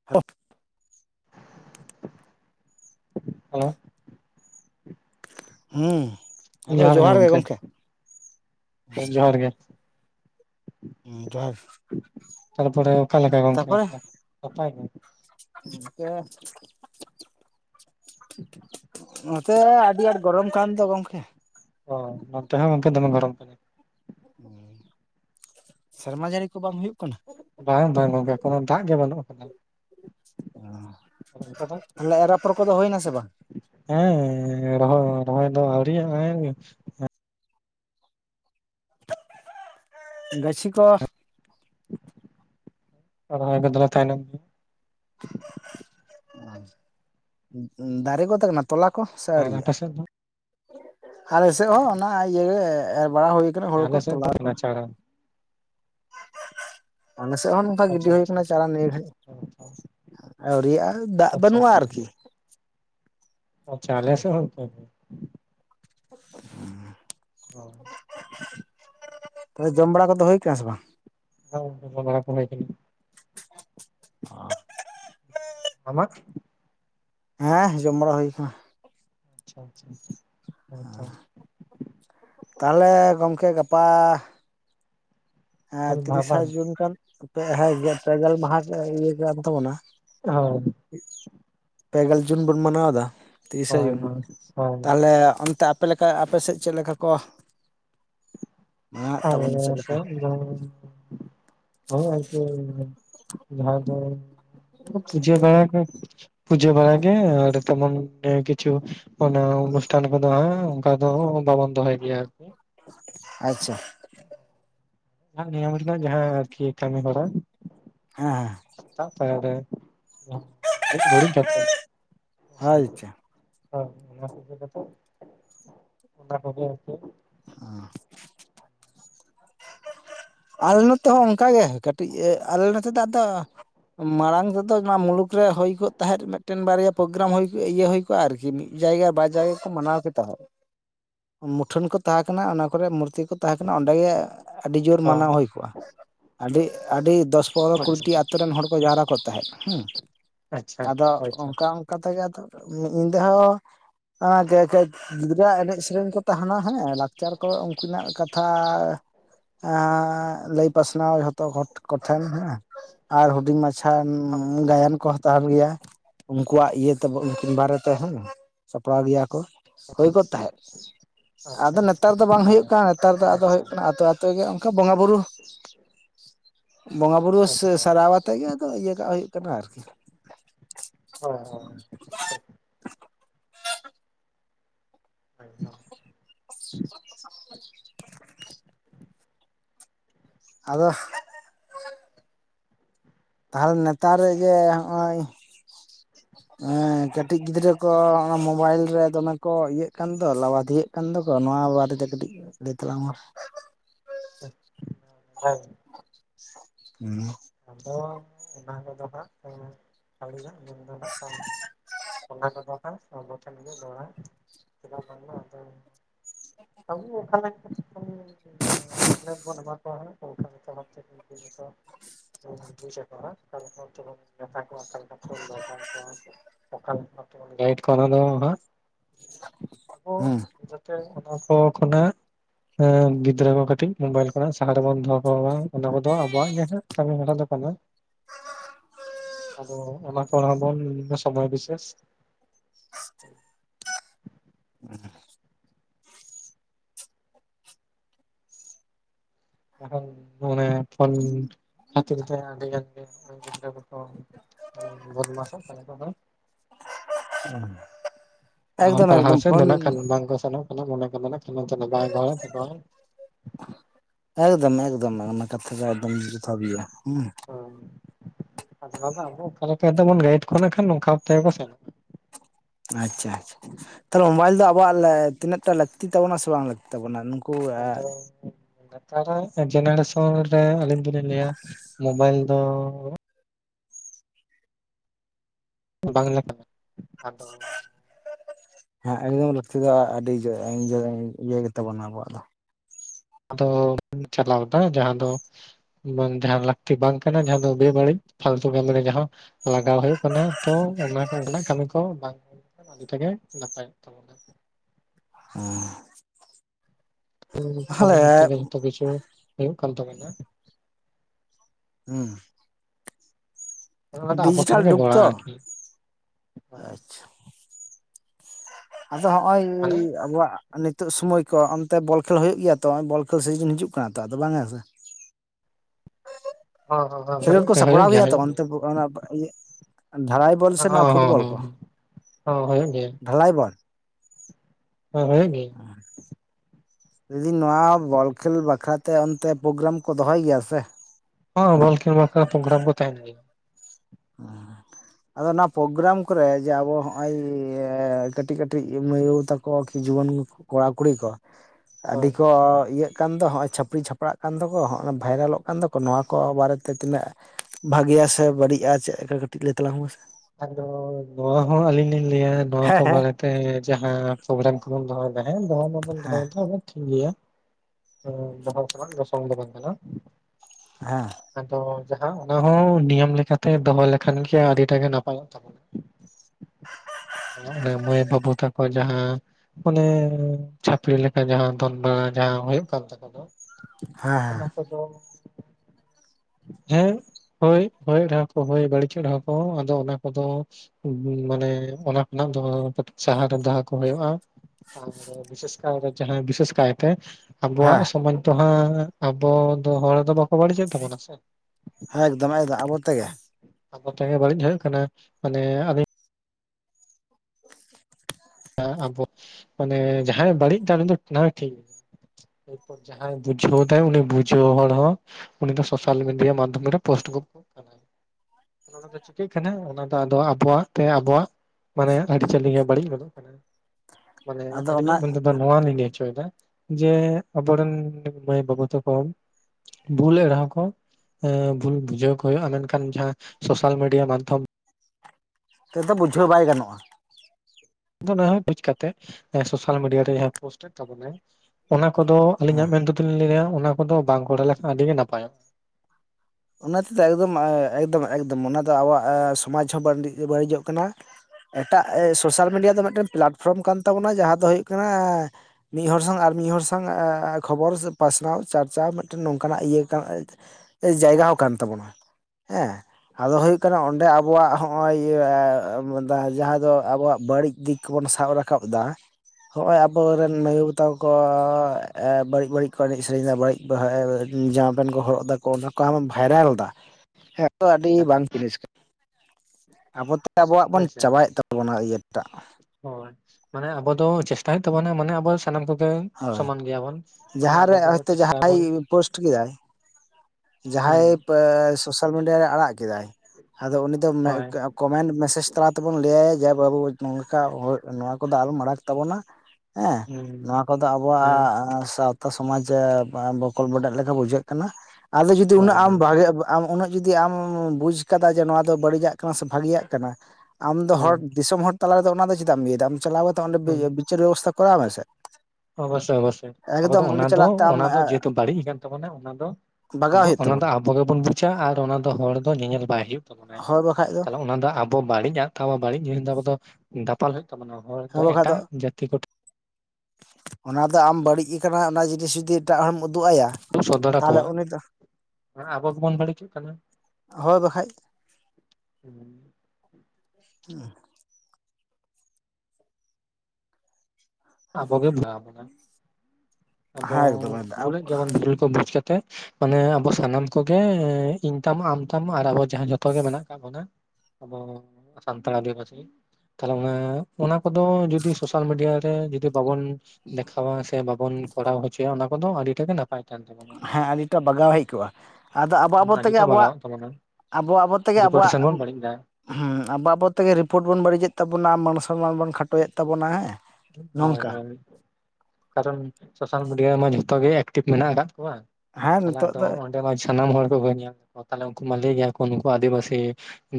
[unintelligible] Hello ᱦᱩᱸ ᱡᱚᱦᱟᱨ ᱜᱮ ᱜᱚᱢᱠᱮ ᱡᱚᱦᱟᱨ ᱜᱮ ᱦᱩᱸ ᱡᱚᱦᱟᱨ ᱛᱟᱨᱯᱚᱨᱮ ᱚᱠᱟ ᱞᱮᱠᱟ ᱜᱚᱢᱠᱮ ᱛᱟᱯᱚᱨᱮ [unintelligible] [unintelligible] ᱱᱚᱛᱮ ᱟᱹᱰᱤ ᱟᱸᱴ ᱜᱚᱨᱚᱢ ᱠᱟᱱ ᱫᱚ ᱜᱚᱝᱠᱮ ᱦᱚᱭ ᱱᱚᱛᱮ ᱦᱚᱸ ᱜᱚᱢᱠᱮ ᱫᱚᱢᱮ ᱜᱚᱨᱚᱢ ᱥᱮᱨᱢᱟ ᱡᱟᱹᱲᱤ ᱠᱚ ᱵᱟᱝ ᱦᱩᱭᱩᱜ [unintelligible] ᱵᱟᱝ ᱵᱟᱝ ᱜᱚᱢᱠᱮ ᱠᱳᱱᱳ ᱫᱟᱜ ᱜᱮ ᱵᱟᱹᱱᱩᱜ ᱠᱟᱫᱟ᱾ ᱛᱟᱦᱞᱮ [unintelligible] ᱠᱚᱫᱚ ᱦᱩᱭᱱᱟ ᱥᱮ ᱵᱟᱝ ᱦᱮᱸ ᱨᱚᱦᱚᱭ ᱨᱚᱦᱚᱭ ᱫᱚ ᱟᱹᱣᱨᱤᱭᱟ [unintelligible] ᱜᱟᱹᱪᱷᱤ ᱠᱚ ᱨᱚᱦᱚᱭ ᱠᱚᱫᱚ ᱞᱮ ᱛᱟᱭᱱᱚᱢ ᱫᱟᱨᱮ ᱜᱚᱫ ᱟᱠᱟᱱᱟ ᱛᱚᱞᱟ ᱠᱚ ᱥᱮ ᱟᱨ ᱟᱯᱮ ᱟᱹᱨᱤᱭᱟᱜᱼᱟ ᱥᱮᱫ ᱫᱚ? ᱟᱞᱮ ᱥᱮᱫ ᱦᱚᱸ ᱚᱱᱟ ᱤᱭᱟᱹᱮ ᱮᱨ ᱵᱟᱲᱟ ᱦᱩᱭᱟᱠᱟᱱᱟ ᱦᱩᱲᱩ ᱟᱞᱮ ᱠᱚ ᱥᱮᱫ ᱫᱚ ᱛᱚᱞᱟ ᱠᱚ᱾ ᱱᱟᱪᱟᱲᱟ ᱟᱞᱮ ᱥᱮᱫ ᱦᱚᱸ ᱱᱚᱝᱠᱟ ᱟᱪᱪᱷᱟ ᱜᱤᱰᱤ ᱦᱩᱭ ᱟᱪᱪᱷᱟ ᱟᱠᱟᱱᱟ ᱪᱟᱨᱟ ᱱᱤᱭᱟᱹ ᱜᱷᱟᱹᱲᱤᱡ᱾ ᱟᱹᱣᱨᱤᱭᱟᱜ-ᱟ ᱫᱟᱜ ᱟᱪᱪᱷᱟ ᱵᱟᱹᱱᱩᱜᱼᱟ ᱟᱪᱪᱷᱟ ᱟᱨᱠᱤ᱾ ᱟᱪᱪᱷᱟ ᱟᱞᱮ ᱥᱮᱫ ᱦᱚᱸ ᱚᱱᱠᱟ ᱜᱮ [unintelligible] [inaudible] ᱛᱚᱵᱮ ᱡᱚᱢ ᱵᱟᱲᱟ ᱠᱚᱫᱚ ᱦᱩ ᱠᱟᱱᱟ ᱥᱮ ᱵᱟᱝ? [unintelligible] ᱡᱚᱢ ᱵᱟᱲᱟ ᱠᱚ ᱦᱳᱭᱠᱟᱱᱟ᱾ ᱟᱢᱟᱜ? ᱦᱮᱸ ᱡᱚᱢ ᱵᱟᱲᱟ ᱦᱩᱭ ᱟᱠᱟᱱᱟ᱾ [inaudible] ᱛᱟᱦᱚᱞᱮ ᱜᱚᱝᱠᱮ ᱜᱟᱯᱟ ᱦᱮᱸ ᱦᱩᱞ ᱢᱟᱦᱟ ᱛᱤᱨᱤᱥᱟᱭ ᱵᱟᱝ ᱡᱩᱱ ᱠᱟᱱ ᱦᱮᱸ ᱯᱮᱦᱟᱭ ᱜᱮᱞ ᱯᱮᱜᱮᱞ ᱢᱟᱦᱟ ᱤᱭᱟᱹ ᱠᱟᱱ ᱛᱟᱵᱚᱱᱟ ᱦᱚᱭ ᱯᱮᱜᱮᱞ ᱡᱩᱱ ᱵᱚᱱ ᱢᱟᱱᱟᱣᱫᱟ ᱛᱤᱨᱤᱥᱟ ᱦᱳᱭ ᱡᱩᱱ ᱦᱳᱭ ᱦᱳᱭ ᱛᱟᱦᱚᱞᱮ ᱚᱱᱛᱮ ᱟᱯ ᱼᱼ ᱯᱮ ᱞᱮᱠᱟ ᱟᱯᱮ ᱥᱮᱫ ᱪᱮᱫ ᱞᱮᱠᱟ ᱠᱚ ᱢᱮᱱᱟᱜ ᱛᱟᱵᱚᱱᱟ ᱟᱞᱮ ᱪᱮᱫ ᱞᱮᱠᱟ [unintelligible] ᱦᱳ ᱟᱨᱠᱤ ᱡᱟᱦᱟᱸ ᱫᱟ ᱥᱟᱡᱷᱮ ᱵᱟᱲᱟᱠᱚ ᱯᱩᱡᱟᱹ ᱵᱟᱲᱟ ᱜᱮ ᱟᱨ ᱛᱮᱢᱚᱱ ᱠᱤᱪᱷᱩ ᱚᱱᱟ ᱚᱱᱩᱥᱴᱷᱟᱱ ᱠᱚᱫᱚ ᱦᱟᱸᱜ ᱚᱱᱠᱟ ᱫᱚ ᱵᱟᱵᱚᱱ ᱫᱚᱦᱚᱭ ᱜᱮᱭᱟ ᱟᱨᱠᱤ ᱟᱪᱪᱷᱟ ᱱᱤᱭᱚᱢ ᱨᱮᱱᱟᱜ ᱡᱟᱦᱟᱸ ᱟᱨᱠᱤ ᱠᱟᱹᱢᱤ ᱦᱚᱨᱟ ᱦᱮᱸ ᱦᱮᱸ ᱥᱮᱛᱟᱜ ᱯᱟᱭᱟᱨ ᱨᱮ ᱢᱤᱫ ᱜᱷᱩᱲᱤᱡ ᱠᱟᱛᱮ ᱦᱚᱭ ᱦᱳᱭᱛᱚ ᱚᱱᱟ ᱠᱚ ᱤᱭᱟ. ᱠᱟᱛᱮ ᱚᱱᱟ ᱠᱚᱜᱮ ᱟᱨᱠᱤ [unintelligible] ᱟᱞᱮ ᱱᱚᱛᱮ ᱦᱚᱸ ᱚᱱᱠᱟᱜᱮ ᱠᱟᱹᱴᱤᱡ ᱟᱞ ᱱᱚᱛᱮ ᱫᱚ ᱟᱫᱚ ᱢᱟᱲᱟᱝ ᱛᱮᱫᱚ ᱚᱱᱟ ᱢᱩᱞᱩᱠ ᱨᱮ ᱦᱩᱭ ᱠᱚᱜ ᱛᱟᱦᱮᱸᱫ ᱢᱤᱫᱴᱮᱱ ᱵᱟᱨᱭᱟ ᱯᱨᱳᱜᱨᱟᱢ ᱦᱩᱭ ᱤᱭᱟᱹ ᱦᱳᱭ ᱠᱚᱜ-ᱟ ᱟᱨᱠᱤ ᱢᱤᱫ ᱡᱟᱭᱜᱟ ᱵᱟᱨ ᱡᱟᱭᱜᱟ ᱠᱚ ᱢᱟᱱᱟᱣ ᱠᱮᱫᱟ [inaudible] ᱢᱩᱴᱷᱟᱹᱱ ᱠᱚ ᱛᱟᱦᱮᱸ ᱠᱟᱱᱟ ᱚᱱᱟ ᱠᱚᱨᱮ ᱢᱩᱨᱛᱤ ᱠᱚ ᱛᱟᱦᱮᱸ ᱠᱟᱱᱟ ᱚᱸᱰᱮ ᱜᱮ ᱟᱹᱰᱤ ᱡᱳᱨ ᱦᱚᱸ ᱢᱟᱱᱟᱣ ᱦᱩᱭ ᱠᱚᱜ-ᱟ ᱟᱹᱰᱤ ᱟᱹᱰᱤ ᱫᱚᱥ ᱯᱚᱱᱨᱚ ᱟᱪᱪᱷᱟ ᱠᱩᱨᱴᱤ ᱟᱛᱳ ᱨᱮᱱ ᱦᱚᱲ ᱠᱚ ᱡᱟᱣᱨᱟ ᱠᱚᱜ ᱛᱟᱦᱮᱸᱫ ᱦᱩᱸ ᱟᱪᱪᱷᱟ ᱟᱫᱚ ᱦᱳᱭᱛᱚ ᱚᱱᱠᱟ ᱠᱟᱛ ᱜᱮ ᱟᱛᱚ ᱢᱤᱫ ᱧᱤᱫᱟᱹ ᱦᱚᱸ [unintelligible] ᱡᱮ ᱜᱤᱫᱽᱨᱟᱹᱣᱟᱜ ᱮᱱᱮᱡ ᱥᱮᱨᱮᱧ ᱠᱚᱛᱟ ᱦᱮᱱᱟ ᱦᱮᱸ ᱞᱟᱠᱪᱟᱨ ᱠᱚᱨᱮ ᱩᱱᱠᱤᱱᱟᱜ ᱠᱟᱛᱷᱟ ᱮ ᱞᱟᱹᱭ ᱯᱟᱥᱱᱟᱣ ᱡᱷᱚᱛᱚ ᱠᱚᱴᱷᱮᱱ ᱦᱮᱸ ᱟᱨ ᱦᱩᱰᱤᱧ ᱢᱟᱪ ᱼᱼ ᱡᱷᱟᱱ ᱦᱳᱭ ᱦᱳᱭ ᱜᱟᱭᱟᱱ ᱠᱚ ᱦᱟ ᱼᱼ ᱛᱟᱦᱮᱱ ᱜᱮᱭᱟ ᱩᱱᱠᱩᱣᱟᱜ ᱤᱭᱟᱹ ᱛᱮ ᱩᱱᱠᱤᱱ ᱵᱟᱨᱮ ᱛᱮ ᱦᱮ ᱥᱟᱯᱲᱟᱣ ᱜᱮᱭᱟ ᱠᱚ ᱦᱩᱭ ᱠᱚᱫ ᱛᱟᱦᱮᱸᱫ ᱟᱪᱪᱷᱟ ᱟᱫᱚ ᱟᱪᱪᱷᱟ ᱱᱮᱛᱟᱨ ᱫᱚ ᱵᱟᱝ ᱦᱳᱭ ᱦᱩᱭᱩᱜ ᱠᱟᱱᱟ ᱱᱮᱛᱟᱨ ᱫᱚ ᱟᱫᱚ ᱟᱪᱪᱷᱟ ᱦᱩᱭᱩᱜ ᱠᱟᱱᱟ ᱡᱚᱛᱚ ᱜᱮ ᱚᱱᱠᱟ ᱵᱚᱸᱜᱟ ᱵᱩᱨᱩ ᱵᱚᱸᱜᱟ ᱵᱩᱨᱩ ᱟᱪᱪᱷᱟ ᱥᱟᱨᱣᱟᱛ ᱮᱛᱮ ᱜᱮ ᱟᱫᱚ ᱤᱭᱟᱹ ᱠᱟᱜ ᱦᱩᱭᱩᱜ ᱠᱟᱱᱟ ᱟᱨᱠᱤ ᱦᱚᱭ [unintelligible] [unintelligible] [unintelligible] ᱟᱫᱚ ᱛᱟᱦᱚᱞᱮ ᱱᱮᱛᱟᱨ ᱨᱮ ᱡᱮ ᱦᱚᱜ-ᱚᱭ ᱠᱟᱹᱴᱤᱡ ᱜᱤᱫᱽᱨᱟᱹ ᱠᱚ ᱚᱱᱟ ᱢᱳᱵᱟᱭᱤᱞ ᱨᱮ ᱫᱚᱢᱮ ᱠᱚ ᱤᱭᱟᱹᱜ ᱠᱟᱱ ᱫᱚ ᱞᱟᱵᱟᱫᱤᱭᱮᱜ ᱠᱟᱱ ᱫᱚᱠᱚ ᱱᱚᱣᱟ ᱵᱟᱨᱮᱛᱮ ᱠᱟᱹᱴᱤᱡ ᱞᱮᱭ ᱛᱞᱟᱝ ᱢᱮ [unintelligible] [unintelligible] [unintelligible] ᱚᱱᱟ ᱠᱚᱫᱚ ᱦᱟᱸᱜ ᱟᱞᱤᱧᱟᱜ ᱢᱮᱱ ᱫᱚ ᱱᱟᱜ ᱠᱷᱟᱱ ᱚᱱᱟ ᱠᱚᱫᱚ [unintelligible] ᱼᱪᱮᱫᱟᱜ ᱵᱟᱝ ᱢᱟ ᱟᱫᱚ ᱟᱵᱚ [unintelligible] ᱵᱚᱱ ᱥᱤᱠᱱᱟᱹᱛ ᱵᱚᱱ ᱮᱢᱟ ᱠᱚᱣᱟ ᱦᱟᱸᱜ ᱚᱱᱠᱟ ᱜᱮᱛᱚ ᱪᱟᱠᱨᱤ ᱠᱟ ᱡᱷᱚᱛᱚ ᱵᱩᱡᱟᱠᱚ ᱦᱟᱸᱜ ᱛᱟᱨᱯᱚᱨ ᱛᱚᱠᱚ ᱢᱮᱛᱟ ᱠᱚᱣᱟ ᱠᱷᱟᱡ ᱠᱟᱛᱷᱟ ᱞᱮᱠᱟᱛᱮᱵᱚᱱ ᱜᱟᱭᱤᱴ ᱠᱚᱣᱟ ᱚᱱᱟ ᱫᱚ ᱦᱟᱸᱜ ᱠᱚ ᱦᱮᱸ ᱥᱮ ᱚᱱᱟᱠᱚ ᱠᱷᱱᱟᱜ ᱦᱮᱸ ᱜᱤᱫᱽᱟᱹ ᱠᱚ ᱠᱟᱹᱴᱤᱡ ᱢᱳᱵᱟᱭᱤᱞ ᱠᱷᱚᱱᱟᱜ ᱥᱟᱦᱟᱨ ᱨᱮᱵᱚᱱ ᱫᱚᱦᱚ ᱠᱚᱣᱟ ᱚᱱᱟ ᱠᱚᱫᱚ ᱟᱵᱚᱣᱟᱜ ᱡᱟᱦᱟᱸ ᱠᱟᱹᱢᱤ ᱦᱚᱨᱟ ᱫᱚᱠ ᱠᱟᱱᱟ ᱟᱵᱚ ᱟᱫᱚ ᱠᱚ ᱦᱚᱸᱵᱚᱱ ᱥᱚᱢᱚᱭ ᱵᱤᱥᱮᱥ [unintelligible] ᱮᱠᱷᱟᱱ ᱚᱱᱮ ᱯᱷᱳᱱ ᱠᱷᱟᱹᱛᱤᱨ ᱛᱮ ᱟᱹᱰᱤ ᱜᱟᱱ ᱜᱮ ᱜᱤᱫᱽᱨᱟᱹ ᱠᱚᱠᱚ ᱦᱚᱸ ᱵᱚᱫᱢᱟᱥᱚᱜ ᱠᱟᱱᱟ ᱠᱚ ᱦᱮᱸ [unintelligible] ᱮᱠᱫᱚᱢ ᱯᱟᱲᱦᱟᱣ ᱮᱠᱫᱚᱢ ᱥᱮᱫ ᱫᱚ ᱯᱷᱳᱱ ᱱᱟᱜ-ᱠᱷᱟᱱ ᱵᱟᱝ ᱠᱚᱥᱮᱱᱚᱜ ᱠᱟᱱᱟ ᱢᱚᱱᱮ ᱠᱚ [unintelligible] ᱵᱟᱭ ᱜᱚᱦᱚᱲᱮᱫ ᱛᱟᱠᱚᱣᱟ ᱮᱠᱫᱚᱢ ᱮᱠᱫᱚᱢ ᱚᱱᱟ ᱠᱟᱛᱷᱟ ᱫᱚ ᱮᱠᱫᱚᱢ ᱡᱚᱛᱷᱟᱛ ᱜᱤᱭᱟ ᱾ ᱦᱩᱸ ᱦᱚᱸ ᱟᱫᱚ ᱚᱱᱟ ᱫᱚ ᱟᱵᱚ ᱚᱠᱟ ᱞᱮᱠᱟ ᱫᱚᱵᱚᱱ ᱜᱟᱹᱭᱤᱰ ᱠᱚ ᱠᱷᱟᱱ ᱱᱚᱝᱠᱟ ᱛᱮ ᱜᱮ ᱵᱚ ᱥᱮᱱᱚᱜ-ᱟ ᱟᱪᱪᱷᱟ ᱟᱪᱪᱷᱟ ᱛᱟᱦᱚᱞᱮ ᱢᱳᱵᱟᱭᱤᱞ ᱫᱚ ᱟᱵᱚᱣᱟᱜ ᱛᱤᱱᱟᱹᱜ ᱴᱟ ᱞᱟᱹᱠᱛᱤ ᱛᱟᱵᱚᱱᱟ ᱥᱮ ᱵᱟᱝ ᱞᱟᱹᱠᱛᱤ ᱛᱟᱵᱚᱱᱟ ᱟᱫᱚ ᱵᱟᱜ ᱡᱮᱱᱮᱲ ᱥᱚ ᱨᱮ ᱟᱹᱞᱤᱧ ᱞᱟᱹᱭᱟ ᱢᱳᱵᱟᱭᱤᱞ ᱫᱚ ᱵᱟᱝᱞᱟ ᱠᱟᱱᱟ ᱟᱫᱚ ᱦᱮᱸ ᱮᱠᱫᱚᱢ ᱞᱟᱹᱠᱛᱤ ᱫᱚ ᱟᱹᱰᱤ ᱤᱭᱟᱹ ᱤᱭᱟᱹ ᱤᱭᱟᱹ ᱜᱮᱛᱟᱵᱚᱱᱟ ᱟᱵᱚᱣᱟᱜ ᱫᱚ ᱟᱫᱚ ᱪᱟᱞᱟᱣ ᱮᱫᱟ ᱡᱟᱦᱟᱸ ᱫᱚ ᱡᱟᱦᱟᱸ ᱞᱟᱹᱠᱛᱤ ᱵᱟᱝ ᱠᱟᱱᱟ, ᱡᱟᱦᱟᱸ ᱫᱚ ᱵᱮ ᱵᱟᱹᱲᱤᱡ ᱯᱷᱟᱞᱛᱩ ᱠᱟᱹᱢᱤ ᱨᱮ ᱡᱟᱦᱟᱸ ᱾ ᱞᱟᱜᱟᱣ ᱦᱩᱭᱩᱜ ᱠᱟᱱᱟ ᱛᱚ ᱚᱱᱟ ᱠᱚ ᱵᱚᱞᱮ ᱠᱟᱹᱢᱤ ᱠᱚ ᱵᱟᱝ ᱞᱮᱠᱷᱟᱱ ᱟᱹᱰᱤ ᱛᱮᱜᱮ ᱱᱟᱯᱟᱭᱚᱜ ᱛᱟᱵᱚᱱᱟ ᱦᱚᱸ ᱯᱷᱳᱱ ᱛᱟᱦᱚᱞᱮ ᱛᱮᱜᱮ ᱡᱚᱛᱚ ᱠᱤᱪᱷᱩ ᱦᱩᱭᱩᱜ ᱠᱟᱱ ᱛᱟᱵᱚᱱᱟ ᱦᱩᱸ ᱚᱱᱟ ᱫᱚ ᱟᱵᱚ ᱴᱷᱮᱱ ᱰᱤᱡᱤᱴᱟᱞ ᱜᱮ ᱩᱰᱩᱠ ᱜᱚᱲᱟ ᱟᱠᱟᱫᱟᱭ ᱟᱨᱠᱤ ᱢᱟᱱᱮ ᱟᱪᱪᱷᱟ ᱟᱫᱚ ᱱᱚᱜ-ᱚᱭ ᱟᱵᱚᱣᱟᱜ ᱱᱤᱛᱳᱜ ᱥᱚᱢᱚᱭ ᱠᱚ ᱚᱱᱛᱮ ᱵᱚᱞ ᱠᱷᱮᱞ ᱦᱩᱭᱩᱜ ᱜᱮᱭᱟ ᱛᱚ, ᱵᱚᱞ ᱠᱷᱮᱞ ᱥᱤᱡᱮᱱ ᱦᱤᱡᱩᱜ ᱠᱟᱱᱟ ᱛᱚ, ᱟᱫᱚ ᱵᱟᱝ ᱦᱟᱸ ᱥᱮ ᱾ ᱦᱚᱸ ᱦᱚᱸ ᱦᱚᱸ ᱠᱷᱮᱞᱳᱰ ᱦᱩᱭᱩᱜ ᱠᱚ ᱦᱩᱭᱩᱜ ᱥᱟᱯᱲᱟᱣ ᱜᱮᱭᱟ ᱛᱚ ᱦᱩᱭᱩᱜ ᱚᱱᱛᱮ ᱚᱱᱟ ᱫᱷᱟᱨᱟᱭ ᱦᱚᱸ ᱦᱚᱸ ᱦᱚ ᱦᱩᱭᱩᱜ ᱜᱮᱭᱟᱹᱭ ᱰᱷᱟᱞᱟᱭ ᱵᱚᱞ ᱦᱚᱸ ᱦᱚᱸᱭᱱᱤᱜ ᱫᱤᱫᱤᱱ ᱱᱚᱣᱟ ᱵᱚᱞ ᱠᱷᱮᱞ ᱵᱟᱠᱷᱨᱟ ᱛᱮ ᱚᱱᱛᱮ ᱯᱨᱳᱜᱨᱟᱢ ᱠᱚ ᱫᱚᱦᱚᱭ ᱜᱮᱭᱟ ᱥᱮ ᱦᱚᱸ ᱵᱚᱞ ᱠᱷᱮᱞ ᱵᱟᱠᱠᱷᱨᱟ ᱛᱮ ᱯᱨᱳᱜᱨᱟᱢ ᱠᱚ ᱛᱟᱦᱮᱱ ᱜᱮᱭᱟ ᱟᱫᱚ ᱚᱱᱟ ᱯᱨᱳᱜᱨᱟᱢ ᱠᱚᱨᱮ ᱡᱮ ᱟᱵᱚ ᱦᱚᱜ-ᱚᱭ ᱠᱟᱹᱴᱤᱡ ᱠᱟᱹᱴᱤᱡ ᱢᱟᱹᱭ ᱛᱮᱠᱚ ᱠᱤ ᱡᱩᱣᱟᱹᱱ ᱠᱚ ᱠᱚᱲᱟ ᱠᱩᱲᱤ ᱠᱚ ᱟᱹᱰᱤ ᱦᱳᱭ ᱠᱚ ᱤᱭᱟᱹᱜ ᱠᱟᱱ ᱫᱚ ᱦᱚᱜᱼᱚᱭ ᱪᱷᱟᱹᱯᱲᱤ ᱪᱷᱟᱯᱨᱟᱜ ᱠᱟᱱ ᱫᱚᱠᱚ, ᱦᱚᱜᱼᱚᱭ ᱵᱷᱟᱭᱨᱟᱞᱚᱜ ᱠᱟᱱ ᱫᱚᱠᱚ, ᱱᱚᱣᱟ ᱠᱚ ᱵᱟᱨᱮ ᱛᱮ ᱛᱤᱱᱟᱹᱜ ᱵᱷᱟᱜᱤᱭᱟ ᱥᱮ ᱵᱟᱹᱲᱤᱡᱼᱟ ᱪᱮᱫ ᱞᱮᱠᱟ ᱠᱟᱹᱴᱤᱡ ᱞᱟᱹᱭ ᱛᱟᱞᱟᱝ ᱢᱮ ᱥᱮ ᱾ ᱟᱫᱚ ᱱᱚᱣᱟ ᱦᱚᱸ ᱟᱹᱞᱤᱧ ᱞᱤᱧ ᱞᱟᱹᱭᱟ ᱱᱚᱣᱟ ᱦᱮᱸ ᱠᱚ ᱦᱮᱸ ᱵᱟᱨᱮ, ᱛᱮ ᱡᱟᱦᱟᱸ ᱯᱨᱳᱜᱨᱟᱢ ᱠᱚᱵᱚᱱ ᱫᱚᱦᱚᱭᱮᱫᱟ, ᱦᱮᱸ ᱫᱚᱦᱚ ᱢᱟᱵᱚᱱ ᱦᱮᱸ ᱫᱚᱦᱚᱭᱮᱫᱟ ᱴᱷᱤᱠ ᱜᱮᱭᱟ ᱾ ᱦᱮᱸ ᱫᱚᱦᱚ ᱦᱚᱲᱟᱜ ᱥᱚᱝ ᱫᱚ ᱵᱟᱝ ᱠᱟᱱᱟ ᱦᱮᱸ ᱟᱫᱚ ᱡᱟᱦᱟᱸ ᱚᱱᱟ ᱦᱚᱸ ᱱᱤᱭᱚᱢ ᱞᱮᱠᱟ ᱛᱮ ᱫᱚᱦᱚ ᱞᱮᱠᱷᱟᱱ ᱜᱮ ᱟᱹᱰᱤ ᱴᱟᱜ ᱜᱮ ᱱᱟᱯᱟᱭᱚᱜ ᱛᱟᱵᱚᱱᱟ ᱚᱱᱮ ᱢᱟᱹᱭ ᱵᱟᱹᱵᱩ ᱛᱮᱠᱚ ᱡᱟᱦᱟᱸ ᱾ ᱢᱟᱱᱮ ᱪᱷᱟᱯᱲᱤ ᱞᱮᱠᱟ ᱡᱟᱦᱟᱸ ᱫᱚᱱ ᱡᱟᱦᱟᱸ ᱦᱩᱭᱩᱜ ᱠᱟᱱ ᱛᱟᱠᱚ ᱫᱚ ᱾ ᱦᱮᱸ ᱦᱮᱸ [inaudible] ᱦᱮᱸ ᱦᱳᱭ ᱦᱳᱭ ᱦᱳᱭ ᱵᱟᱹᱲᱤᱡᱚᱜ ᱨᱮᱦᱚᱸ ᱠᱚ, ᱟᱫᱚ ᱚᱱᱟ ᱠᱚᱫᱚ, ᱢᱟᱱᱮ ᱚᱱᱟ ᱠᱷᱚᱱᱟᱜ ᱫᱚ ᱠᱟᱹᱴᱤᱡ ᱥᱟᱦᱟ ᱨᱮ ᱫᱚᱦᱚ ᱠᱚ ᱦᱩᱭᱩᱜ-ᱟ ᱟᱨ ᱵᱤᱥᱮᱥᱟᱜ ᱡᱟᱦᱟᱸ ᱵᱤᱥᱮᱥ ᱠᱟᱛᱮ ᱟᱵᱚᱣᱟᱜ ᱦᱮᱸ ᱥᱚᱢᱳᱡ ᱫᱚ ᱦᱟᱸᱜ ᱟᱵᱚ ᱫᱚ ᱦᱚᱲ ᱫᱚ ᱵᱟᱠᱚ ᱵᱟᱹᱲᱤᱡᱮᱫ ᱛᱟᱵᱚᱱᱟ ᱥᱮ ᱮᱠᱫᱚᱢ ᱮᱫᱚᱢ ᱟᱵᱚ ᱛᱮᱜᱮ ᱟᱵᱚ ᱛᱮᱜᱮ ᱵᱟᱹᱲᱤᱡ ᱦᱩᱭᱩᱜ ᱠᱟᱱᱟ ᱾ ᱢᱟᱱᱮ ᱟᱵᱤᱱ ᱟᱵᱚ ᱢᱟᱱᱮ ᱡᱟᱦᱟᱸᱟᱭ ᱵᱟᱹᱲᱤᱡ ᱢᱮᱱᱫᱚ ᱚᱱᱟ ᱴᱷᱤᱠ ᱜᱮ ᱾ ᱛᱟᱨᱯᱚᱨ ᱡᱟᱦᱟᱸᱭ ᱵᱩᱡᱷᱟᱹᱣ ᱮᱫᱟᱭ ᱩᱱᱤ ᱵᱩᱡᱷᱟᱹᱣ ᱦᱚᱲ ᱦᱚᱸ ᱩᱱᱤ ᱫᱚ ᱥᱳᱥᱟᱞ ᱢᱤᱰᱤᱭᱟ ᱢᱟᱫᱽᱫᱷᱚᱢ ᱨᱮ ᱯᱳᱥᱴ ᱜᱚᱫᱚᱜ ᱠᱟᱱᱟᱭ ᱾ ᱱᱚᱰᱮ ᱫᱚ ᱪᱤᱠᱟᱹᱜ ᱠᱟᱱᱟ, ᱚᱱᱟ ᱫᱚ ᱟᱵᱚᱣᱟᱜ ᱛᱮ ᱟᱵᱚᱣᱟᱜ, ᱢᱟᱱᱮ ᱟᱹᱨᱤᱼᱪᱟᱹᱤ ᱜᱮ ᱵᱟᱹᱲᱤᱡ ᱜᱚᱫᱚᱜ ᱠᱟᱱᱟ ᱾ ᱢᱟᱱᱮ ᱟᱫᱚ ᱚᱱᱟ ᱟᱹᱞᱤᱧᱟᱜ ᱢᱮᱱ ᱫᱚ ᱫᱚ ᱱᱚᱣᱟ ᱞᱤᱧ ᱞᱟᱹᱭ ᱪᱚᱭᱫᱟ ᱡᱮ ᱟᱵᱚᱨᱮᱱ ᱢᱟᱹᱭ ᱵᱟᱹᱵᱩ ᱛᱟᱠᱚ ᱵᱷᱩᱞ ᱮᱫ ᱨᱮᱦᱚᱸ ᱠᱚ ᱵᱷᱩᱞ ᱵᱩᱡᱷᱟᱹᱣ ᱠᱚ ᱦᱩᱭᱩᱜᱼᱟ ᱢᱮᱱᱠᱷᱟᱱ ᱡᱟᱦᱟᱸ ᱥᱳᱥᱟᱞ ᱢᱤᱰᱤᱭᱟ ᱢᱟᱫᱽᱫᱷᱚᱢ ᱛᱮᱫᱚ ᱫᱚ ᱵᱩᱡᱷᱟᱹᱣ ᱵᱟᱭ ᱜᱚᱜᱼᱟ᱾ ᱟᱫᱚ ᱱᱮᱦᱚᱭ ᱵᱩᱡ ᱠᱟᱛᱮᱜ ᱥᱳᱥᱟᱞ ᱢᱤᱰᱤᱭᱟ ᱨᱮ ᱡᱟᱦᱟᱸ ᱯᱳᱥᱴ ᱮᱫ ᱛᱟᱵᱚᱱᱟ ᱚᱱᱟ ᱠᱚᱫᱚ ᱦᱮᱸ ᱟᱹᱞᱤᱧᱟᱜ ᱢᱮᱱᱛᱮᱫᱚ ᱞᱤᱧ ᱞᱟ. ᱭᱟ ᱚᱱᱟ ᱠᱚᱫᱚ ᱵᱟᱝ ᱠᱚᱨᱟᱣ ᱞᱮᱠᱷᱟᱱ ᱟᱹᱰᱤ ᱜᱮ ᱱᱟᱯᱟᱭᱚᱜ ᱚᱱᱟ ᱛᱮᱫᱚ ᱮᱠᱫᱚᱢ ᱮᱠᱫᱚᱢ ᱮᱠᱫᱚᱢ ᱚᱱᱟᱫᱚ ᱟᱵᱚᱣᱟᱜ ᱥᱚᱢᱟᱡᱽ ᱦᱚᱸ ᱵᱟᱹᱲᱤᱡᱚᱜ ᱠᱟᱱᱟ᱾ ᱮᱴᱟᱜ ᱮ ᱥᱳᱥᱟᱞ ᱢᱤᱰᱤᱭᱟ ᱫᱚ ᱢᱤᱫᱴᱮᱱ ᱯᱞᱟᱴᱯᱷᱨᱚᱢ ᱠᱟᱱ ᱛᱟᱵᱚᱱᱟ ᱡᱟᱦᱟᱸ ᱫᱚ ᱦᱩᱭᱩᱜ ᱠᱟᱱᱟ ᱢᱤᱫ ᱦᱚᱲ ᱥᱟᱶ ᱟᱨ ᱢᱤᱫ ᱦᱚᱲ ᱥᱟᱶ ᱠᱷᱚᱵᱚᱨ ᱯᱟᱥᱱᱟᱣ ᱪᱟᱨᱪᱟᱣ ᱢᱤᱫᱴᱮᱱ ᱱᱚᱝᱠᱟᱱᱟᱜ ᱤᱭᱟᱹ ᱠᱟᱱᱟ ᱡᱟᱸᱭᱜᱟ ᱦᱚᱸ ᱠᱟᱱ ᱛᱟᱵᱚᱱᱟ ᱦᱮᱸ ᱟᱫᱚ ᱦᱩᱭᱩᱜ ᱠᱟᱱᱟ ᱚᱸᱰᱮ ᱟᱵᱚᱣᱟᱜ ᱦᱚᱸᱜᱼᱚᱭ ᱤᱭᱟ. ᱡᱟᱦᱟᱸ ᱫᱚ ᱟᱵᱚᱣᱟᱜ ᱵᱟᱹᱲᱤᱡ ᱫᱤᱠ ᱵᱟᱵᱚᱱ ᱥᱟᱵ ᱨᱟᱠᱟᱵ ᱮᱫᱟ ᱦᱚᱜᱚᱭ ᱟᱵᱚᱨᱮᱱ ᱢᱟᱹᱭ ᱵᱟᱵᱩ ᱛᱮᱠᱚ ᱠᱚ ᱵᱟᱹᱲᱤᱡ ᱵᱟᱹᱲᱤᱡ ᱠᱚ ᱮᱱᱮᱡ ᱥᱮᱨᱮᱧ ᱮᱫᱟ ᱵᱟᱹᱲᱤᱡ ᱡᱟᱢᱟ ᱯᱮᱱᱴ ᱠᱚ ᱦᱚᱨᱚᱜ ᱫᱟᱠᱚ ᱚᱱᱟ ᱠᱚ ᱟᱢᱮᱢ ᱵᱷᱟᱭᱨᱟᱞ ᱮᱫᱟ ᱦᱮᱸ ᱛᱚ ᱟᱹᱰᱤ ᱵᱟᱝ ᱛᱤᱨᱤᱥ ᱠᱟᱱᱟ [unintelligible] ᱟᱵᱚᱛᱮ ᱟᱵᱚᱣᱟᱜ ᱵᱚᱱ ᱦᱳᱭ ᱥᱮ ᱪᱟᱵᱟᱭᱮᱫ ᱛᱟᱵᱚᱱᱟ ᱤᱭᱟᱹᱴᱟᱜ ᱦᱳᱭ ᱢᱟᱱᱮ ᱟᱵᱚ ᱫᱚ ᱪᱮᱥᱴᱟᱭ ᱦᱩᱭᱩᱜ ᱛᱟᱵᱚᱱᱟ ᱢᱟᱱᱮ ᱟᱵᱚ ᱥᱟᱱᱟᱢ ᱠᱚᱜᱮ ᱦᱳᱭ ᱥᱚᱢᱟᱱ ᱜᱮᱭᱟ ᱵᱚᱱ ᱡᱟᱦᱟᱸᱨᱮ ᱦᱚᱭᱛᱳ ᱡᱟᱦᱟᱸᱭ ᱯᱳᱥᱴ ᱠᱮᱫᱟᱭ ᱦᱩᱸ ᱡᱟᱦᱟᱸᱭ ᱥᱳᱥᱟᱞ ᱢᱤᱰᱤᱭᱟ ᱨᱮ ᱟᱲᱟᱜ ᱠᱮᱫᱟᱭ ᱟᱫᱚ ᱩᱱᱤ ᱫᱚ ᱦᱳᱭ ᱠᱚᱢᱮᱱᱴ ᱢᱮᱥᱮᱡᱽ ᱛᱟᱞᱟ ᱛᱮᱵᱚᱱ ᱞᱟᱹᱭᱟᱭ ᱡᱮ ᱵᱟᱹᱵᱩ ᱱᱚᱝᱠᱟ ᱱᱚᱣᱟ ᱠᱚᱫᱚ ᱟᱞᱚ ᱟᱲᱟᱠ ᱛᱟᱵᱚᱱᱟ ᱦᱮᱸ ᱦᱩᱸ ᱱᱚᱣᱟ ᱠᱚᱫᱚ ᱦᱮᱸ ᱟᱵᱚᱣᱟᱜ ᱛᱚ ᱥᱚᱢᱟᱡᱽ ᱵᱚᱠᱚᱞ ᱵᱚᱰᱟᱜ ᱞᱮᱠᱟ ᱵᱩᱡᱷᱟᱹᱜ ᱠᱟᱱᱟ ᱟᱫᱚ ᱡᱩᱫᱤ ᱦᱳᱭ ᱩᱱᱟᱹᱜ ᱟᱢ ᱦᱳᱭ ᱵᱷᱟᱜᱮ ᱟᱢ ᱩᱱᱟᱹᱜ ᱡᱩᱫᱤ ᱟᱢ ᱵᱩᱡᱽ ᱠᱟᱫᱟ ᱡᱮ ᱱᱚᱣᱟ ᱫᱚ ᱵᱟᱹᱲᱤᱡᱟᱜ ᱠᱟᱱᱟ ᱥᱮ ᱵᱷᱟᱜᱤᱭᱟᱜ ᱠᱟᱱᱟ ᱟᱢ ᱫᱚ ᱦᱚᱲ ᱦᱮᱸ ᱫᱤᱥᱚᱢ ᱦᱚᱲ ᱛᱟᱞᱟᱨᱮᱫᱚ ᱚᱱᱟ ᱫᱚ ᱪᱮᱫᱟᱜ ᱮᱢ ᱞᱟ. ᱭᱫᱟ ᱟᱢ ᱪᱟᱞᱟᱣ ᱠᱟᱛᱮ ᱚᱸᱰᱮ ᱵᱤᱪᱟᱹᱨ ᱵᱮᱵᱚᱥᱛᱷᱟ ᱠᱚᱨᱟᱣᱟ ᱢᱮᱥᱮ ᱚᱵᱚᱥ ᱥᱳᱭ ᱚᱵᱚᱥ ᱥᱳᱭ ᱟᱵᱚ ᱫᱚ ᱮᱠᱫᱚᱢ ᱚᱱᱟ ᱚᱸᱰᱮ ᱫᱚ ᱪᱟᱞᱟᱜ ᱛᱮ ᱟᱢ ᱚᱱᱟ ᱫᱚ ᱡᱮᱦᱮᱛᱩ ᱵᱟᱹᱲᱤᱡ ᱟᱠᱟᱱ ᱛᱟᱵᱚᱱᱟ ᱚᱱᱟ ᱫᱚ ᱵᱟᱜᱟᱣ ᱦᱩᱭᱩᱜ ᱚᱱᱟ ᱫᱚ ᱛᱟᱵᱚᱱᱟ ᱟᱵᱚ ᱜᱮᱵᱚᱱ ᱵᱩᱡᱟ ᱟᱨ ᱚᱱᱟ ᱫᱚ ᱦᱚᱲ ᱫᱚ ᱧᱮᱧᱮᱞ ᱵᱟᱭ ᱦᱩᱭᱩᱜ ᱦᱳᱭ ᱵᱟᱠᱷᱟᱡ ᱠᱟᱱᱟ ᱚᱱᱟ ᱫᱚ ᱟᱵᱚ ᱵᱟᱹᱲᱤᱡ ᱟᱜ ᱛᱟᱵᱚ ᱵᱟᱹᱲᱤᱡ ᱟᱵᱚ ᱫᱚ ᱫᱟᱯᱟᱞ ᱦᱩᱭᱩᱜ ᱛᱟᱵᱚᱱᱟ ᱦᱚᱲ ᱫᱚ ᱦᱳᱭ ᱵᱟᱠᱷᱟᱡ ᱮᱴᱟᱜ ᱡᱟᱹᱛᱤ ᱠᱚᱴᱷ ᱚᱱᱟ ᱫᱚ ᱟᱢ ᱵᱟᱹᱲᱤᱡ ᱟᱠᱟᱱᱟ ᱚᱱᱟ ᱡᱤᱱᱤᱥ ᱡᱩᱫᱤ ᱮᱴᱟᱜ ᱦᱚᱲᱮᱢ ᱩᱫᱩᱜ ᱟᱭᱟ ᱥᱚᱫᱚᱨᱟᱠᱚ ᱛᱟᱦᱚᱞᱮ ᱩᱱᱤ ᱫᱚ ᱟᱵᱚ ᱜᱮᱵᱚᱱ ᱵᱟᱹᱲᱤᱡᱚᱜ ᱠᱟᱱᱟ ᱦᱳᱭ ᱦᱩᱸ ᱦᱮᱸ ᱟᱵᱚᱜᱮ ᱢᱮᱱᱟ ᱵᱚᱱᱟ ᱟᱵᱚ ᱦᱮᱸ ᱮᱠᱫᱚᱢ ᱵᱷᱩᱞᱮᱫ ᱜᱮᱭᱟ ᱵᱚᱱ ᱵᱷᱩᱞ ᱠᱚ ᱵᱩᱡᱽ ᱠᱟ ᱛᱮ ᱢᱟᱱᱮ ᱟᱵᱚ ᱥᱟᱱᱟᱢ ᱠᱚᱜᱮ ᱤᱧ ᱛᱟᱢ ᱟᱢ ᱛᱟᱢ ᱟᱨ ᱟᱵᱚ ᱡᱟᱦᱟᱸ ᱡᱚᱛᱚ ᱜᱮ ᱢᱮᱱᱟᱜ ᱟᱠᱟᱫ ᱵᱚᱱᱟ ᱟᱵᱚ ᱥᱟᱱᱛᱟᱲ ᱟᱹᱫᱤᱵᱟᱹᱥᱤ ᱛᱟᱦᱚᱞᱮ ᱚᱱᱮ ᱚᱱᱟ ᱠᱚᱫᱚ ᱡᱩᱫᱤ ᱥᱳᱥᱟᱞ ᱢᱤᱰᱤᱭᱟ ᱨᱮ ᱡᱩ ᱵᱟᱵᱚᱱ ᱫᱮᱠᱷᱟᱣᱟ ᱥᱮ ᱵᱟᱵᱚᱱ ᱠᱚᱨᱟᱣ ᱦᱚᱪᱚᱭᱟ ᱚᱱᱟ ᱠᱚᱫᱚ ᱟᱹᱰᱤᱴᱟ ᱜᱮ ᱱᱟᱯᱟᱭ ᱱᱟᱯᱟᱭ ᱛᱟᱦᱮᱱ ᱛᱟᱵᱚᱱᱟ ᱦᱮᱸ ᱟᱹᱰᱤᱴᱟ ᱵᱟᱜᱟᱣ ᱦᱮᱡ ᱠᱚᱜᱼᱟ ᱟᱫᱚ ᱟᱵᱚ ᱟᱵᱚ ᱛᱮᱜᱮ ᱟᱵᱚᱣᱟᱜ ᱵᱚᱱᱟ ᱟᱵᱚ ᱟᱵᱚ ᱛᱮᱜᱮ ᱟᱵᱚᱣᱟᱜ ᱦᱮᱸ ᱟᱵᱚ ᱟᱵᱚ ᱛᱮᱜᱮ ᱨᱤᱯᱳᱨᱴ ᱵᱚᱱ ᱵᱟᱹᱲᱤᱡᱮᱫ ᱛᱟᱵᱚᱱᱟ ᱢᱟᱹᱱ ᱥᱚᱱᱢᱟᱱ ᱵᱚᱱ ᱠᱷᱟᱴᱚᱭᱮᱫ ᱛᱟᱵᱚᱱᱟ ᱦᱮᱸ ᱦᱚᱭ ᱱᱚᱝᱠᱟ ᱦᱚᱭ ᱠᱟᱨᱚᱱ ᱥᱳᱥᱟᱞ ᱢᱤᱰᱤᱭᱟ ᱨᱮᱢᱟ ᱡᱷᱚᱛᱚ ᱜᱮ ᱮᱠᱴᱤᱵᱷ ᱢᱮᱱᱟᱜ ᱟᱠᱟᱫ ᱠᱚᱣᱟ ᱦᱮᱸ ᱛᱟᱦᱚᱞᱮ ᱱᱤᱛᱚᱜ ᱟᱫᱚ ᱫᱚ ᱚᱸᱰᱮ ᱢᱟ ᱥᱟᱱᱟᱢ ᱦᱚᱲ ᱠᱚᱠᱚ ᱧᱮᱞᱠᱚᱣᱟ ᱛᱟᱦᱚᱞᱮ ᱩᱱᱠᱩ ᱢᱟ ᱞᱟᱹᱭ ᱜᱮᱭᱟ᱾ ᱱᱩᱠᱩ ᱟᱹᱫᱤᱵᱟᱹᱥᱤ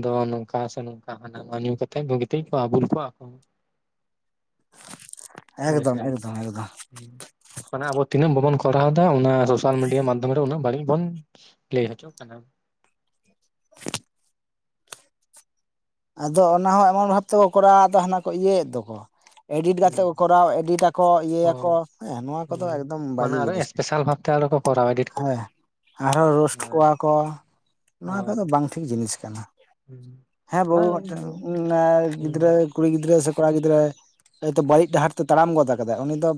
ᱫᱚ ᱱᱚᱝᱠᱟ ᱥᱮ ᱱᱚᱝᱠᱟ ᱦᱟᱱᱟ ᱧᱩ ᱠᱟᱛᱮᱜ ᱵᱩᱜᱤᱛ ᱠᱚᱣᱟ ᱵᱩᱞ ᱠᱚᱣᱟ ᱠᱚ ᱮᱠᱫᱚᱢ ᱮᱠᱫᱚᱢ ᱮᱠᱫᱚᱢ ᱢᱟᱱ ᱟᱵᱚ ᱛᱤᱱᱟᱹᱜ ᱵᱟᱵᱚᱱ ᱠᱚᱨᱟᱣ ᱮᱟ ᱚᱱᱟ, ᱥᱳᱥᱟᱞ ᱢᱤᱰᱤᱭᱟ ᱢᱟᱫᱷᱚᱢ ᱵᱟᱲᱤᱡ ᱵᱚᱱ ᱞᱟᱹᱭ ᱦᱚᱪᱚᱜ ᱠᱟᱱᱟ ᱟᱫᱚ ᱚᱱᱟ ᱦᱚᱸ ᱮᱢᱚᱱ ᱵᱷᱟᱵ ᱛᱮᱠᱚ ᱠᱚᱨᱟᱣ ᱫᱟ ᱦᱟᱱᱟ ᱠᱚ ᱤᱭᱟᱹᱭᱮᱫ ᱫᱚᱠᱚ ᱮᱰᱤᱴ ᱦᱩᱸ ᱠᱟᱛᱮᱫ ᱠᱚ ᱠᱚᱨᱟᱣᱟ ᱮᱰᱤᱴ ᱟᱠᱚ ᱤᱭᱟᱹ ᱭᱟᱠᱚ ᱦᱳᱭ ᱦᱮᱸ ᱱᱚᱣᱟ ᱠᱚᱫᱚ ᱮᱠᱫᱚᱢ ᱵᱟᱡᱮ ᱡᱤᱱᱤᱥ ᱠᱟᱱᱟ ᱯᱮᱥᱟᱞ ᱵᱷᱟᱵ ᱛᱮ ᱟᱨᱚ ᱠᱚ ᱠᱟᱨᱟᱣ ᱮᱰᱤᱴ ᱦᱮᱸ ᱠᱟᱛᱮ ᱟᱨᱦᱚᱸ ᱨᱳᱥᱴ ᱦᱳᱭ ᱠᱚᱣᱟ ᱠᱚ ᱱᱚᱣᱟ ᱦᱳᱭ ᱠᱚᱫᱚ ᱵᱟᱝ ᱴᱷᱤᱠ ᱡᱤᱱᱤᱥ ᱠᱟᱱᱟ ᱦᱩᱸ ᱦᱮᱸ ᱵᱟᱹᱵᱩ ᱦᱩᱸ ᱢᱤᱫᱴᱮᱱ ᱦᱩᱸ ᱜᱤᱫᱽᱨᱟᱹ ᱠᱩᱲᱤ ᱜᱤᱫᱽᱨᱟᱹ ᱥᱮ ᱠᱚᱲᱟ ᱜᱤᱫᱽᱨᱟᱹ ᱦᱚᱭᱛᱚ ᱵᱟᱹᱲᱤᱡ ᱰᱟᱦᱟᱨ ᱛᱮ ᱛᱟᱲᱟᱢ ᱜᱚᱫ ᱟᱠᱟᱫᱟ ᱩᱱᱤ ᱫᱚ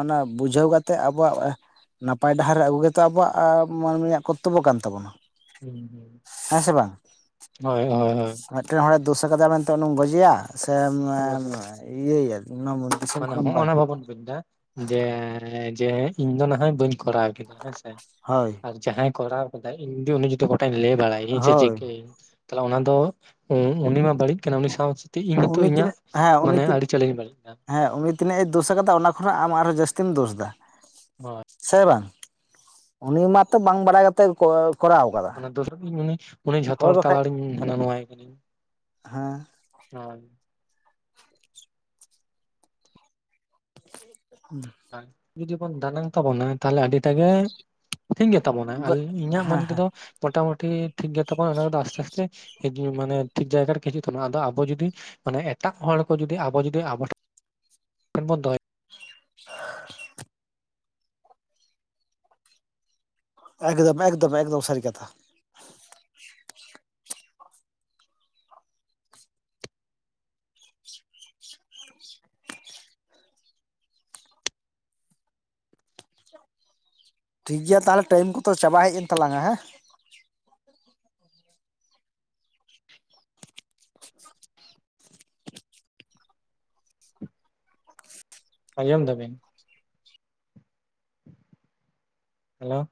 ᱚᱱᱟ ᱵᱩᱡᱷᱟᱹᱣ ᱠᱟᱛᱮᱜ ᱟᱵᱚᱣᱟᱜ ᱱᱟᱯᱟᱭ ᱰᱟᱦᱟᱨ ᱨᱮ ᱟᱹᱜᱩ ᱜᱮᱛᱚ ᱟᱵᱚᱣᱟᱜ ᱢᱟᱱᱢᱤᱭᱟᱜ ᱠᱚᱨᱛᱚᱵᱵᱚ ᱠᱟᱱ ᱛᱟᱵᱚᱱᱟ ᱦᱩᱸ ᱦᱩᱸ ᱦᱮᱸ ᱥᱮ ᱵᱟᱝ ᱦᱳᱭ ᱦᱳᱭ ᱦᱳᱭ ᱢᱤᱫᱴᱮᱱ ᱦᱚᱲᱮ ᱫᱳᱥ ᱟᱠᱟᱫᱟ ᱢᱮᱱᱛᱮ ᱚᱱᱤᱢ ᱜᱚᱡᱮᱭᱟ ᱥᱮᱢ ᱚᱵᱚᱥᱥᱳᱭ ᱤᱭᱟᱹᱭᱟ ᱫᱤᱥᱚᱢ ᱢᱟᱱᱮ ᱠᱷᱚᱱᱮᱢ ᱦᱚᱜᱚᱭ ᱵᱟᱫ ᱱᱚᱣᱟ ᱵᱟᱵᱚᱱ ᱵᱩᱡ ᱮᱫᱟ ᱡᱮ ᱡᱮ ᱤᱧ ᱫᱚ ᱱᱟᱦᱚᱭ ᱵᱟᱹᱧ ᱠᱚᱨᱟᱣ ᱦᱮᱸ ᱥᱮ ᱦᱳᱭ ᱟᱨ ᱡᱟᱦᱟᱸᱭ ᱠᱚᱨᱟᱣ ᱟᱠᱟᱫᱟᱭ ᱤᱧ ᱫᱚ ᱩᱱᱤ ᱡᱩᱫᱤ ᱜᱚᱴᱟᱧ ᱞᱟᱹᱭ ᱵᱟᱲᱟᱭᱟ ᱥᱮ ᱦᱳᱭ ᱪᱤᱠᱟᱹᱭᱤᱧ ᱛᱟᱦᱮ ᱚᱱᱟ ᱫᱚ ᱩᱱᱤ ᱢᱟ ᱵᱟᱹᱲᱤᱡ ᱩᱱᱤ ᱥᱟᱶ ᱥᱟᱶᱛᱮ ᱤᱧ ᱱᱤᱛᱚᱜ ᱩᱱᱤ ᱤᱧᱟᱹᱜ ᱛᱤᱱᱟᱹᱜ ᱦᱮᱸ ᱩᱱᱤ ᱢᱟᱱᱮ ᱛᱤᱱᱟᱹᱜ ᱟᱹᱰᱤᱪᱟᱞᱤᱧ ᱵᱟᱹᱲᱤᱡ ᱫᱟ ᱦᱮᱸ ᱩᱱᱤ ᱛᱤᱱᱟᱹᱜ ᱮ ᱫᱳᱥ ᱟᱠᱟᱫᱟ ᱚᱱᱟ ᱠᱷᱚᱱᱟᱜ ᱟᱢ ᱟᱨᱦᱚᱸ ᱡᱟᱹᱥᱛᱤᱢ ᱫᱳᱥ ᱮᱫᱟ ᱦᱳᱭ ᱥᱮ ᱵᱟᱝ ᱩᱱᱤ ᱢᱟᱛᱚ ᱵᱟᱝ ᱵᱟᱲᱟᱭ ᱠᱟᱛᱮᱜ ᱠᱚᱨᱟᱣ ᱟᱠᱟᱫᱟ᱾ ᱫᱚᱥᱟᱨ ᱩᱱᱤ ᱡᱷᱚᱛᱚ ᱦᱳᱭ ᱦᱚᱲ ᱵᱟᱠᱷᱟᱡ ᱛᱟᱞᱟᱨᱤᱧ ᱦᱟᱱᱟ ᱱᱚᱣᱟᱭ ᱠᱟ‌ᱱᱟᱹᱧ ᱦᱮᱸ ᱦᱮ ᱦᱩᱸ ᱡᱩᱫᱤ ᱵᱚᱱ ᱫᱟᱱᱟᱝ ᱛᱟᱵᱚᱱᱟ ᱛᱟᱦᱚᱞᱮ ᱟᱹᱰᱤᱴᱟᱜ ᱜᱮ ᱴᱷᱤᱠ ᱜᱮ ᱛᱟᱵᱚᱱᱟ ᱤᱧᱟᱹᱜ ᱦᱮᱸ ᱢᱚᱱᱮ ᱦᱮᱸ ᱛᱮᱫᱚ ᱢᱚᱴᱟᱢᱩᱴᱤ ᱴᱷᱤᱠ ᱜᱮ ᱛᱟᱵᱚᱱᱟ ᱚᱱᱟ ᱫᱚ ᱟᱥᱛᱮ ᱟᱥᱛᱮ ᱢᱟᱱᱮ ᱴᱷᱤᱠ ᱡᱟᱭᱜᱟ ᱨᱮ ᱦᱤᱪᱩᱜ ᱛᱚ ᱟᱫᱚ ᱟᱵᱚ ᱡᱚᱫᱤ ᱢᱟᱱᱮ ᱮᱴᱟᱜ ᱦᱚᱲ ᱠᱚ ᱡᱩᱫᱤ ᱟᱵᱚ ᱡᱩᱫᱤ ᱟᱵᱚ ᱴᱷᱮᱱ ᱵᱚᱱ ᱫᱚᱦᱚᱭᱟ [unintelligible] ᱮᱠᱫᱚᱢ ᱮᱠᱫᱚᱢ ᱮᱠᱫᱚᱢ ᱥᱟᱹᱨᱤ ᱠᱟᱛᱷᱟ ᱴᱷᱤᱠ ᱜᱮᱭᱟ ᱛᱟᱦᱚᱞᱮ ᱴᱟᱭᱤ ᱠᱚᱫᱚ ᱪᱟᱵᱟ ᱦᱮᱡ ᱮᱱ ᱛᱞᱟᱝᱟ ᱦᱮᱸ ᱟᱸᱡᱚᱢ ᱮᱫᱟᱵᱤᱱ ᱦᱮᱞᱳ